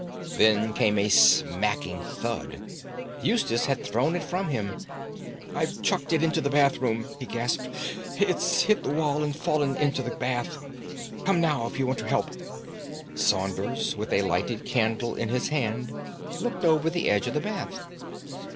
Then came a smacking thud. Eustace had thrown it from him. "I've chucked it into the bathroom," he gasped, "it's hit the wall and fallen into the bath. Come now if you want to help." Saunders, with a lighted candle in his hand, looked over the edge of the bath.